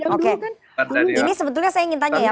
oke ini sebetulnya saya ingin tanya ya